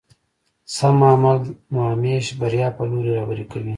سم عمل مو همېش بريا په لوري رهبري کوي.